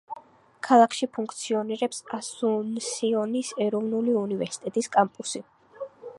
ქალაქში ფუნქციონირებს ასუნსიონის ეროვნული უნივერსიტეტის კამპუსი.